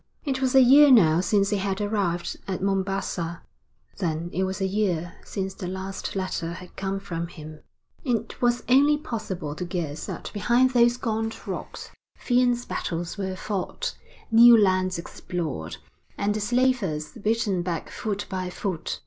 It was a year now since he had arrived at Mombassa, then it was a year since the last letter had come from him. It was only possible to guess that behind those gaunt rocks fierce battles were fought, new lands explored, and the slavers beaten back foot by foot.